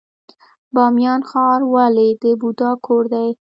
بامیان ښار ولې د بودا کور دی؟